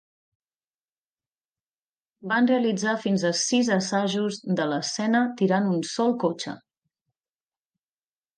Van realitzar fins a sis assajos de l'escena tirant un sol cotxe.